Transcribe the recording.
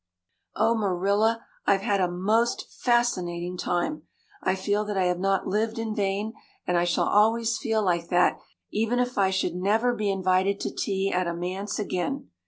"Oh, Marilla, I've had a most fascinating time. I feel that I have not lived in vain and I shall always feel like that even if I should never be invited to tea at a manse again.